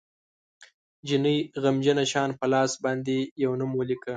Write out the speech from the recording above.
جینۍ غمجنه شان په لاس باندې یو نوم ولیکه